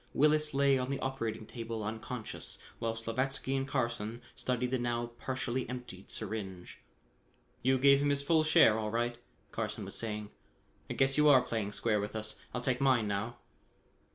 Willis lay on the operating table unconscious, while Slavatsky and Carson studied the now partially emptied syringe. "You gave him his full share all right," Carson was saying. "I guess you are playing square with us. I'll take mine now."